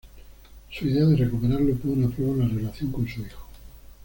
Su idea de recuperarlo pone a prueba la relación con su hijo.